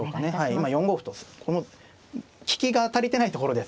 今４五歩とこの利きが足りてないところですからね